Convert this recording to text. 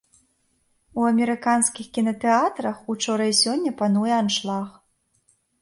У амерыканскіх кінатэатрах учора і сёння пануе аншлаг.